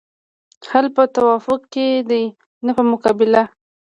حل په توافق کې دی نه په مقابله.